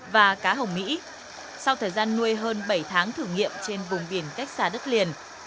và cá hồng mỹ sau thời gian nuôi hơn bảy tháng thử nghiệm trên vùng biển cách xa đất liền